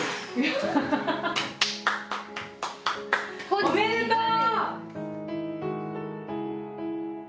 おめでとう！